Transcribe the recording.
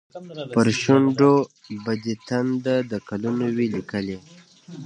پر شونډو به دې تنده، د کلونو وي لیکلې